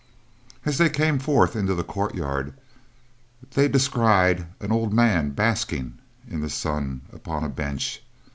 As they came forth into the courtyard, they descried an old man basking in the sun, upon a bench.